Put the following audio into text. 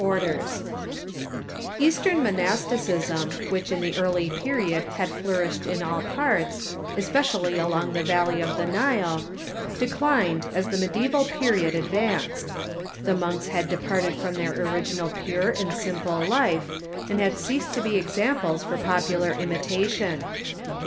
] Eastern monasticism, whicli in the early period had flour ished in all parts, especially along the valley of the Nile, de clined as the mediaBval period advanced. The monks Eastern ] j departed from their original pure and simple Monasticism i . life, and had ceased to be examples for popular im itation.